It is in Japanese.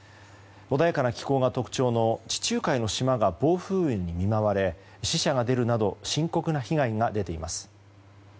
穏やかな気候が特徴の地中海の島が暴風雨に見舞われ死者が出るなど深刻な被害が出ています。